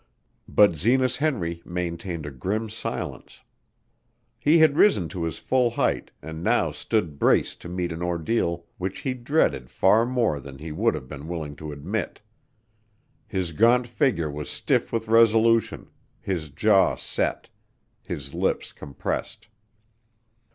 But Zenas Henry maintained a grim silence. He had risen to his full height and now stood braced to meet an ordeal which he dreaded far more than he would have been willing to admit. His gaunt figure was stiff with resolution, his jaw set, his lips compressed.